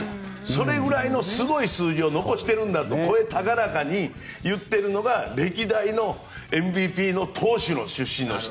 それぐらいのすごい数字を残してるんだと声高々に言っているのが歴代のＭＶＰの投手の出身の人。